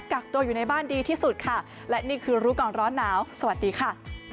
กักตัวอยู่ในบ้านดีที่สุดค่ะและนี่คือรู้ก่อนร้อนหนาวสวัสดีค่ะ